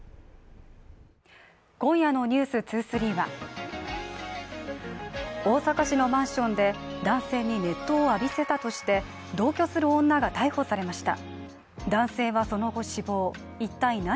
今夜の「ｎｅｗｓ２３」は大阪市のマンションで男性に熱湯を浴びせたとして同居する女が逮捕されました。